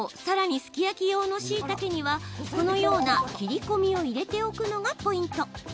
更にすき焼き用のしいたけにはこのような切り込みを入れておくのがポイント。